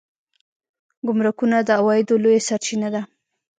ګمرکونه د عوایدو لویه سرچینه ده